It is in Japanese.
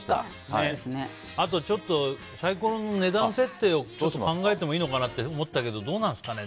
あと、ちょっとサイコロの値段設定を考えてもいいのかなって思ったけどどうなんですかね。